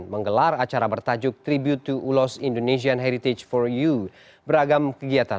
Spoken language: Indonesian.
menggelar acara bertajuk tribute to ulos indonesian heritage for you beragam kegiatan